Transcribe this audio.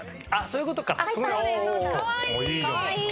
かわいい！